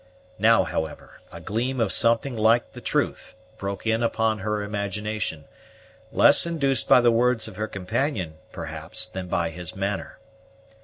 Now, however, a gleam of something like the truth broke in upon her imagination, less induced by the words of her companion, perhaps, than by his manner.